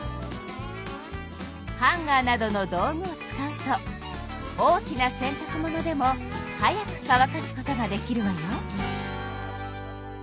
ハンガーなどの道具を使うと大きな洗たく物でも早く乾かすことができるわよ。